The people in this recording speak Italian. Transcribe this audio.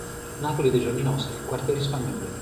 Napoli dei giorni nostri, quartieri spagnoli.